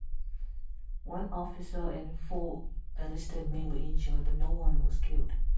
One officer and four enlisted men were injured, but no one was killed.